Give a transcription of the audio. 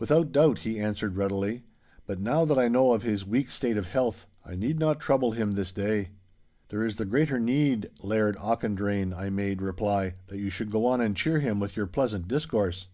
'Without doubt,' he answered readily; 'but now that I know of his weak state of health, I need not trouble him this day!' 'There is the greater need, Laird Auchendrayne,' I made reply, 'that you should go on and cheer him with your pleasant discourse.